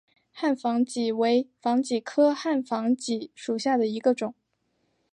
汉防己为防己科汉防己属下的一个种。